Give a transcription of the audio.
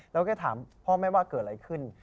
เราก็ถามพ่อแม่ว่าเกิดอะไรขึ้น